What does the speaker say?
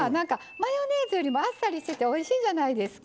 マヨネーズよりもあっさりしてておいしいじゃないですか。